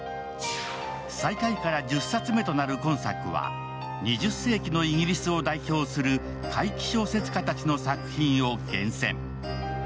再開から１０冊目となる今作は、２０世紀のイギリスを代表する怪奇小説家たちの作品を厳選。